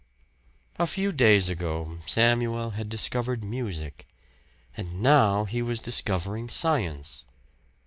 A few days ago Samuel had discovered music. And now he was discovering science.